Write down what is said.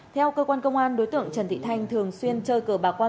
theo cơ quan công an đối tượng trần thị thanh thường xuyên chơi cờ bà qua mạng